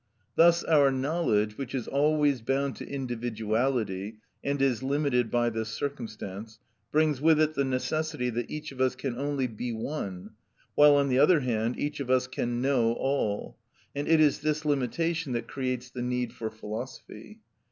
Thus our knowledge, which is always bound to individuality and is limited by this circumstance, brings with it the necessity that each of us can only be one, while, on the other hand, each of us can know all; and it is this limitation that creates the need for philosophy.